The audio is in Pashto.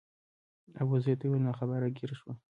ابوزید ته وویل ناخبره ګیر شوم.